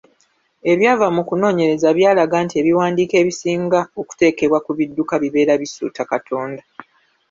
Ebyava mu kunoonyereza byalaga nti ebiwandiiko ebisinga okuteekebwa ku bidduka bibeera bisuuta Katonda.